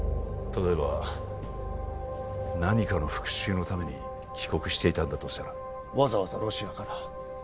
例えば何かの復讐のために帰国していたんだとしたらわざわざロシアから？